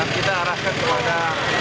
kita arahkan kepada